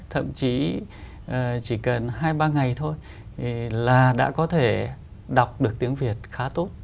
thậm chí chỉ cần hai ba ngày thôi là đã có thể đọc được tiếng việt khá tốt